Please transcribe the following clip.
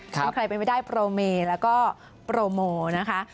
ซึ่งใครเป็นไปได้โปรเมและก็โปรโมนะคะ